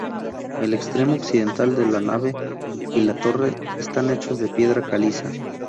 El extremo occidental de la nave y la torre están hechos de piedra caliza.